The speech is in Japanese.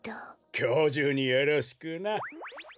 きょうじゅうによろしくな。